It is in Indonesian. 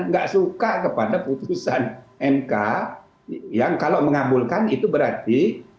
nggak suka kepada putusan mk yang kalau mengabulkan itu berarti